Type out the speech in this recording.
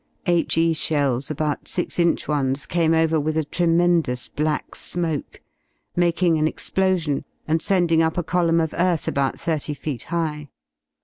H.E. shells, about 6 inch ohes, came over with a tremendous black smoke, making an explosion and sending up a column of earth about thirty feet high.